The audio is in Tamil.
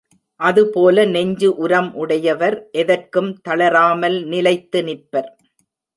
அதுபோல நெஞ்சு உரம் உடையவர் எதற்கும் தளராமல் நிலைத்து நிற்பர்.